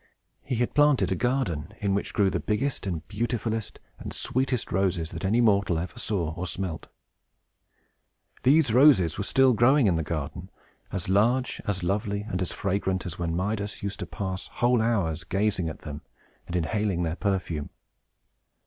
He had planted a garden, in which grew the biggest and beautifullest and sweetest roses that any mortal ever saw or smelt. These roses were still growing in the garden, as large, as lovely, and as fragrant, as when Midas used to pass whole hours in gazing at them, and inhaling their perfume.